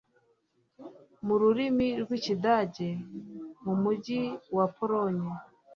Mu rurimi rw'ikidage, mu mujyi wa Polonye